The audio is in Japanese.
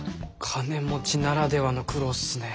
金持ちならではの苦労っすね。